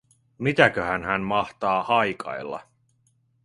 Mitäköhän hän mahtaa haikailla?